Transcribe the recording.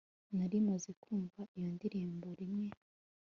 Nari maze kumva iyo ndirimbo rimwe